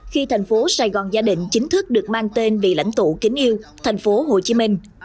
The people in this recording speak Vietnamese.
khi thành phố sài gòn gia đình chính thức được mang tên vị lãnh tụ kính yêu thành phố hồ chí minh